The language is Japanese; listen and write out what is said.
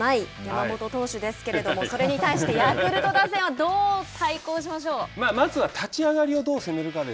言う事ない山本投手ですけれどもそれに対してヤクルト打線はどう対抗しましょう。